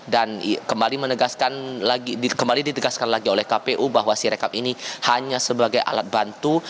kembali ditegaskan lagi oleh kpu bahwa sirekap ini hanya sebagai alat bantu